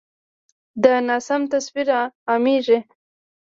دا ناسم تصویر عامېږي.